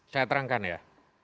saya terangkan ya